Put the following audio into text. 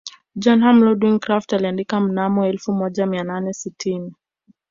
Johann Ludwig Krapf aliandika mnamo elfu moja mia nane sitini